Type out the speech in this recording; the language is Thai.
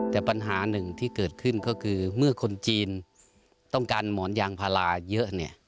แต่ปัญหาหนึ่งที่เกิดขึ้นก็คือเมื่อคนจีนต้องการหมอนยางพาราเยอะเนี่ย